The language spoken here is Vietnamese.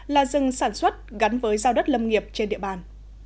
là rừng sản xuất gắn với giao đất lâm nghiệp trên địa bàn